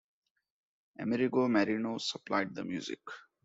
Amerigo Marino supplied the music.